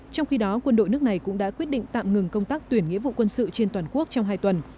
trong khi đó quân đội nước này cũng đã quyết định tạm ngừng công tác tuyển nghĩa vụ quân sự trên toàn quốc trong hai tuần